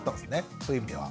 そういう意味では。